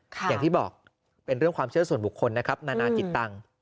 อย่างที่บอกเป็นเรื่องความเชื่อส่วนบุคคลนะครับนานาจิตตังค์